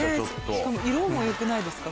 しかも色もよくないですか？